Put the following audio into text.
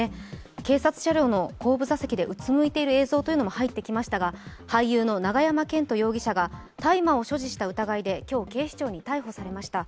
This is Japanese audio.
警察車両の後部座席でうつむいている映像も入ってきましたが、俳優の永山絢斗容疑者が大麻を所持した疑いで今日、警視庁に逮捕されました。